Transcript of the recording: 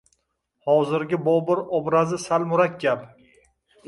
Hozirgi Bobur obrazi sal murakkab